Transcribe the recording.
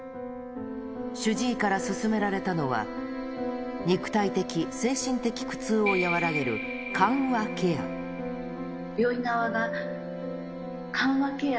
主治医から勧められたのは、肉体的、精神的苦痛を和らげる緩和ケア。